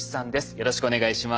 よろしくお願いします。